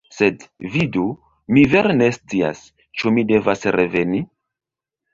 Sed vidu, mi vere ne scias, ĉu mi devas reveni?